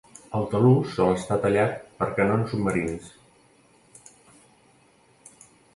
El talús sol estar tallat per canons submarins.